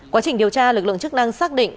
quá trình điều tra lực lượng chức năng xác định